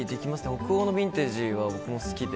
北欧のビンテージは僕も好きで。